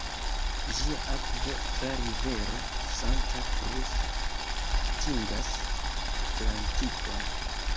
Ĝia akvo tra rivero Santa Cruz atingas Atlantikon.